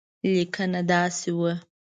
لیکنه داسې وه.